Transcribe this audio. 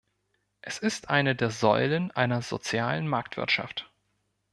Es ist eine der Säulen einer sozialen Marktwirtschaft.